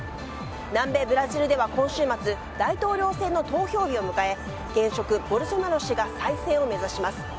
南米ブラジルでは今週末大統領選の投票日を迎え現職ボルソナロ氏が再選を目指します。